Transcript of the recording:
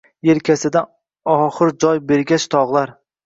Yelkasidan oxir joy bergach tog‘lar